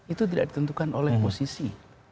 itu tidak ditentukan oleh posisi